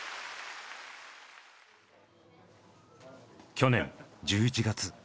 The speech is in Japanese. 去年１１月。